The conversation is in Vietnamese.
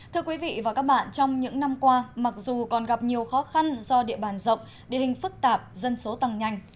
thưa quý vị và các bạn trong những năm qua mặc dù còn gặp nhiều khó khăn do địa bàn rộng địa hình phức tạp dân số tăng nhanh